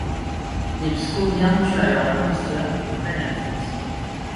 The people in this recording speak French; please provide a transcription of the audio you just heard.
Les Pskoviens tuent alors l’imposteur et prennent la fuite.